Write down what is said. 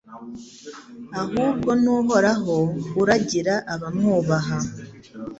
Ahubwo ni Uhoraho uragira abamwubaha